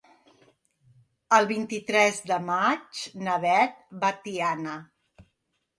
El vint-i-tres de maig na Beth va a Tiana.